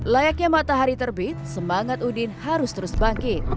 layaknya matahari terbit semangat udin harus terus bangkit